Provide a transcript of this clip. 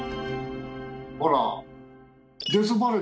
ほら。